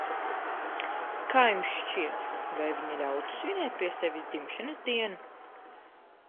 Kā jums šķiet, vai viņa ļautu svinēt pie sevis dzimšanas dienu?